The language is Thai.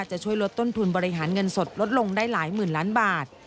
จะช่วยลดต้นทุนบริหารเงินสดลดลงได้หลายหมื่นล้านบาท